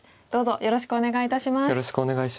よろしくお願いします。